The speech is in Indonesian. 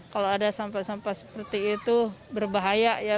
kalau ada sampah sampah seperti itu berbahaya ya